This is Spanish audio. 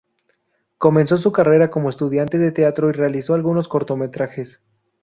Comenzó su carrera como estudiante de teatro y realizó algunos cortometrajes.